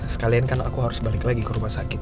sekalian kan aku harus balik lagi ke rumah sakit